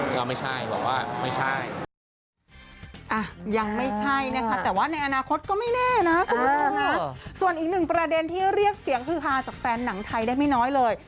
ส่วนอีกหนึ่งประเด็นที่เรียกเสียงคือพาจากแฟนหนังไทยได้ไม่น้อยเลย